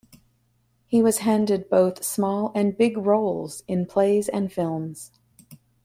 He was handed both small and big roles in plays and films.